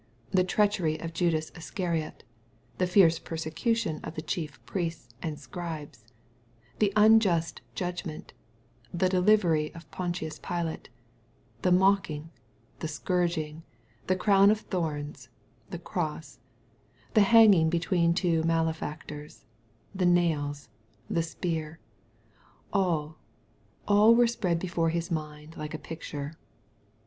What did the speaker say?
The treachery of Judas Iscariot, — the fierce persecution of the chief priests and scribes, — ^the unjust judgment, — the delivery to Pontius Pilate, — the mocking, — the scourging, — the crown of thorns, — ^the cross, — the hanging between two malefactors, — the nails, — ^the spear, — all, all were spread before His mind like a picture.